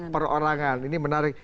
perorangan ini menarik